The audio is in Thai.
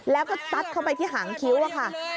แล้วก็ซัดเข้าไปที่หางคิ้วอะค่ะ